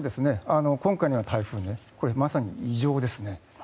今回のような台風はまさに異常ですね。